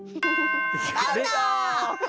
アウト！